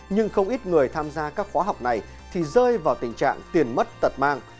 nhưng không ít người tham gia các khóa học này thì rơi vào tình trạng tiền mất tật mang